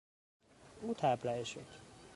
او تبرئه شد.